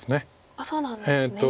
そうなんですね。